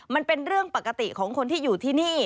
มันเป็นเรื่องปกติของคนที่อยู่ที่นี่